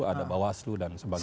ada bawah slu dan sebagainya